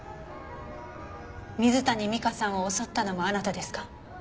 水谷美香さんを襲ったのもあなたですか？